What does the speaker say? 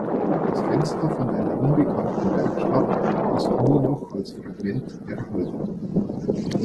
Das Fenster von einer unbekannten Werkstatt ist nur noch als Fragment erhalten.